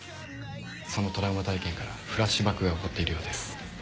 そのトラウマ体験からフラッシュバックが起こっているようです。